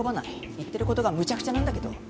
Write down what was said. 言ってる事がむちゃくちゃなんだけど！